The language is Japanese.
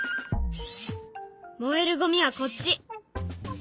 燃えるゴミはこっち。